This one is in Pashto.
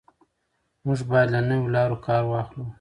موږ باید له نویو لارو کار واخلو.